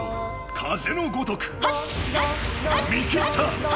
見切った！